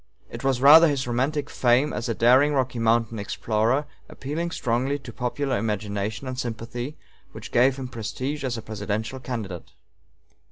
It was rather his romantic fame as a daring Rocky Mountain explorer, appealing strongly to popular imagination and sympathy, which gave him prestige as a presidential candidate.